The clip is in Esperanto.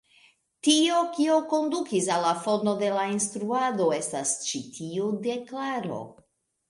Tio, kio kondukis al la fondo de la instruado, estas ĉi tiu deklaro.